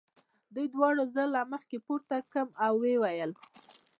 دوی دواړو زه له مځکې پورته کړم او ویې ویل.